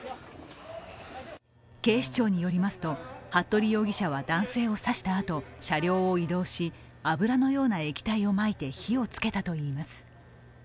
警視庁によりますと服部容疑者は男性を刺したあと車両を移動し、油のような液体をまいて火をつけたといいます。